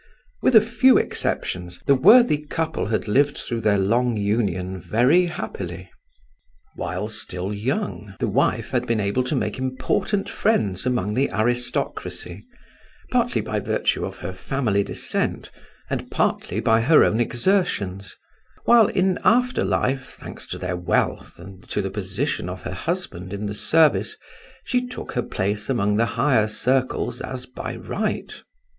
With a few exceptions, the worthy couple had lived through their long union very happily. While still young the wife had been able to make important friends among the aristocracy, partly by virtue of her family descent, and partly by her own exertions; while, in after life, thanks to their wealth and to the position of her husband in the service, she took her place among the higher circles as by right.